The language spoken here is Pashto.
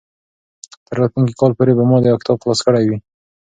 تر راتلونکي کال پورې به ما دا کتاب خلاص کړی وي.